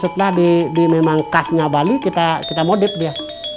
setelah memang khasnya bali kita modip dia